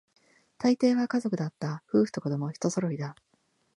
大抵は家族だった、夫婦と子供、一揃いだ